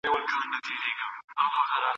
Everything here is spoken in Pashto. د پوهانو نظریات په دقت ولولئ.